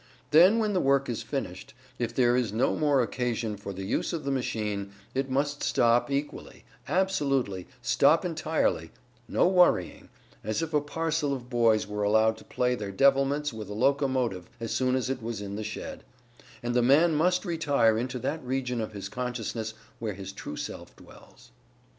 Then when the work is finished, if there is no more occasion for the use of the machine, it must stop equally, absolutely stop entirely no worrying (as if a parcel of boys were allowed to play their devilments with a locomotive as soon as it was in the shed) and the man must retire into that region of his consciousness where his true self dwells.